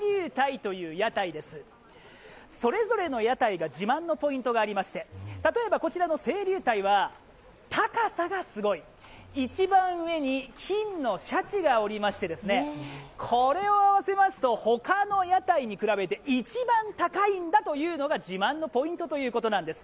それぞれの屋台が自慢のポイントがありまして、例えばこちらは高さがすごい、一番上に金のシャチがおりましてこれを合わせますと他の屋台に比べて一番高いんだというのが自慢のポイントということなんです。